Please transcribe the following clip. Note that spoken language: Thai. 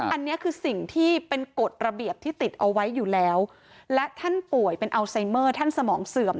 อันนี้คือสิ่งที่เป็นกฎระเบียบที่ติดเอาไว้อยู่แล้วและท่านป่วยเป็นอัลไซเมอร์ท่านสมองเสื่อม